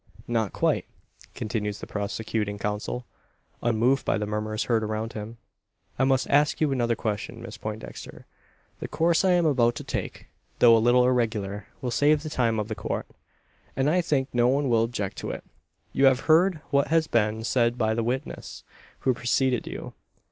"Not quite," continues the prosecuting counsel, unmoved by the murmurs heard around him; "I must ask you another question, Miss Poindexter. The course I am about to take, though a little irregular, will save the time of the Court; and I think no one will object to it. You have heard what has been said by the witness who preceded you.